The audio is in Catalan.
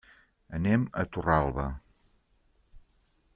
Anem a Torralba.